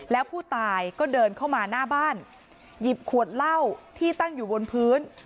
แล้วผู้ตายก็เดินเข้ามาหน้าบ้านหยิบขวดเหล้าที่ตั้งอยู่บนพื้น